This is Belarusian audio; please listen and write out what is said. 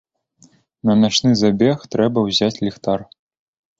На начны забег трэба ўзяць ліхтар.